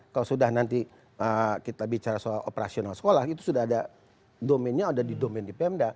kalau sudah nanti kita bicara soal operasional sekolah itu sudah ada domennya ada di domain di pemda